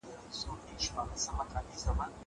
زه به سبا د کتابتون کتابونه لوستل کوم.